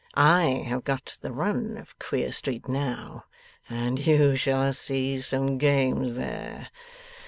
I have got the run of Queer Street now, and you shall see some games there.